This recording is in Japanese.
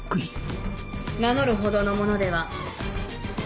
名乗るほどの者では。